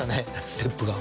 ステップが。